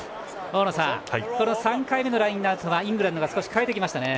大野さん、３回目のラインアウトはイングランドが少し変えてきましたね。